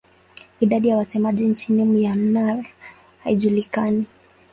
Idadi ya wasemaji nchini Myanmar haijulikani.